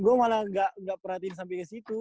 gue malah gak perhatiin sampe kesitu